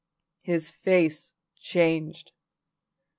His face changed.